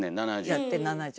やって７０。